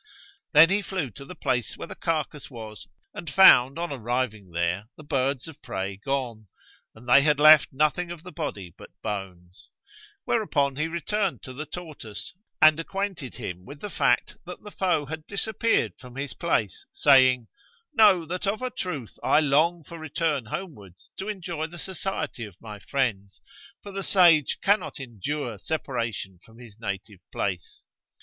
Then he flew to the place where the carcass was and found on arriving there the birds of prey gone, and they had left nothing of the body but bones; whereupon he returned to the tortoise and acquainted him with the fact that the foe had disappeared from his place, saying, "Know that of a truth I long for return homewards to enjoy the society of my friends; for the sage cannot endure separation from his native place."